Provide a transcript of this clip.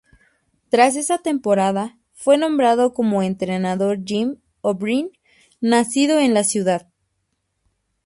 Tras esa temporada, fue nombrado como entrenador Jim O'Brien, nacido en la ciudad.